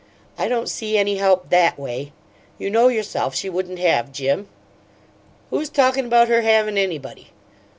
"I don't see any help THAT way. You know yourself she wouldn't have Jim." "Who's talkin' about her havin' anybody?